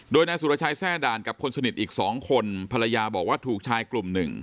โดยนายสุรชัยแทร่ด่านกับคนสนิทอีก๒คนภรรยาบอกว่าถูกชายกลุ่มหนึ่ง